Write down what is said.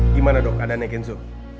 gimana dok adanya kenzo